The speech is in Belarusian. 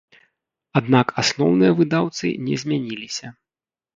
Аднак асноўныя выдаўцы не змяніліся.